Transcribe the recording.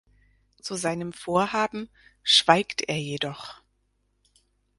Zu seinem Vorhaben schweigt er jedoch.